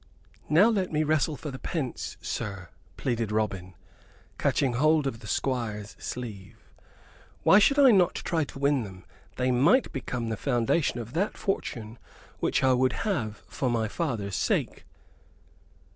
"Now let me wrestle for the pence, sir," pleaded Robin, catching hold of the Squire's sleeve. "Why should not I try to win them? They might become the foundation of that fortune which I would have for my father's sake."